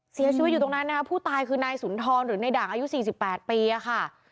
เสียชีวิตอยู่ตรงนั้นนะคะผู้ตายคือนายสุนทรหรือในด่างอายุ๔๘ปีค่ะ